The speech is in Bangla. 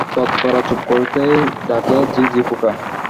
তক্ষকরা চুপ করতেই ডাকে ঝিঁঝিপোকা।